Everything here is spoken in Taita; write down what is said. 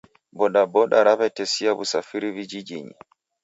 Bodaboda raw'atesia w'usafiri vijijinyi